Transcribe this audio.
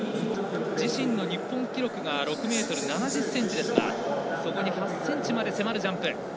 自身の日本記録が６ｍ７０ｃｍですがそこに８ｃｍまで迫るジャンプ。